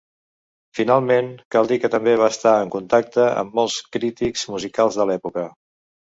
Finalment, cal dir que també va estar en contacte amb molts crítics musicals de l'època.